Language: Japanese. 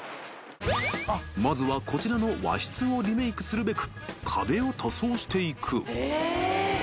［まずはこちらの和室をリメークするべく壁を塗装していく］